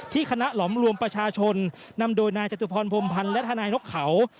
คณะหลอมรวมประชาชนนำโดยนายจตุพรพรมพันธ์และทนายนกเขา